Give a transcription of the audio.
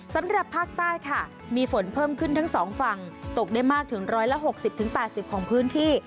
สำหรับภาคใต้ค่ะมีฝนเพิ่มขึ้นทั้งสองฝั่งตกได้มากถึง๑๖๐๘๐ของพื้นที่